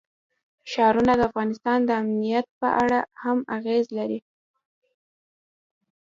ښارونه د افغانستان د امنیت په اړه هم اغېز لري.